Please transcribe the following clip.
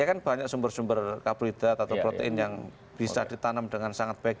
ya kan banyak sumber sumber karbohidrat atau protein yang bisa ditanam dengan sangat baik